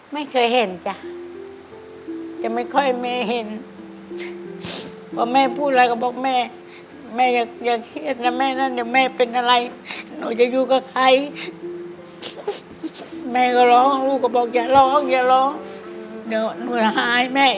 ไม่เคยเห็นจ้ะจะไม่ค่อยแม่เห็นพอแม่พูดอะไรก็บอกแม่แม่อย่าเครียดนะแม่นั้นเดี๋ยวแม่เป็นอะไรหนูจะอยู่กับใครแม่ก็ร้องลูกก็บอกอย่าร้องอย่าร้องเดี๋ยวเหนื่อยหายแม่